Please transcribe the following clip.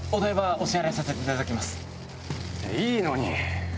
いいのに。